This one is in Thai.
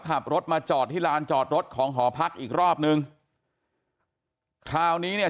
ขับรถมาจอดที่ลานจอดรถของหอพักอีกรอบนึงคราวนี้เนี่ย